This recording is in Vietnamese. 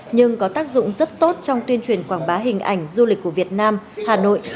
nhưng có tác dụng rất tốt trong tuyên truyền quảng bá hình ảnh du lịch của việt nam hà nội